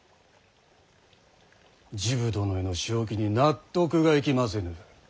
治部殿への仕置きに納得がいきませぬ。